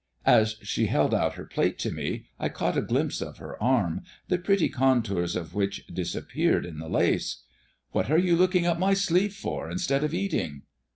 As she held out her plate to me, I caught a glimpse of her arm, the pretty contours of which disappeared in the lace. "What are you looking up my sleeve for instead of eating?"